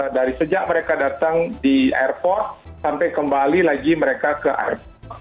dari sejak mereka datang di airport sampai kembali lagi mereka ke air